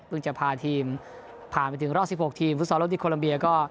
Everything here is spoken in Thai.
เพิ่งจะพาทีมผ่านไปถึงรอบสิบหกทีมฟุตซอร์รอบสิบโคลอัมเบียก็